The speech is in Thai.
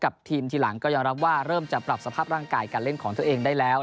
ทีมทีหลังก็ยอมรับว่าเริ่มจะปรับสภาพร่างกายการเล่นของตัวเองได้แล้ว